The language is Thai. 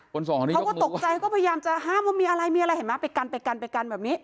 ส่งคนนี้เขาก็ตกใจก็พยายามจะห้ามว่ามีอะไรมีอะไรเห็นไหมไปกันไปกันไปกันไปกันแบบนี้